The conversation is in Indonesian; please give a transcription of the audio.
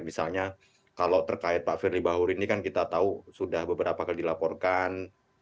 misalnya kalau terkait pak firly bahuri ini kan kita tahu sudah beberapa kali dilaporkan